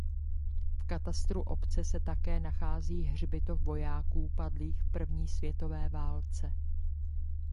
V katastru obce se také nachází hřbitov vojáků padlých v První světové válce.